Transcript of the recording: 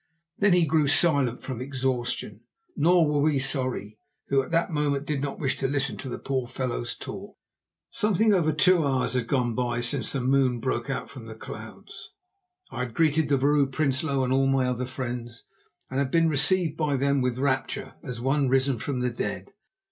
Then he grew silent from exhaustion. Nor were we sorry, who at that moment did not wish to listen to the poor fellow's talk. Something over two hours had gone by since the moon broke out from the clouds. I had greeted the Vrouw Prinsloo and all my other friends, and been received by them with rapture as one risen from the dead.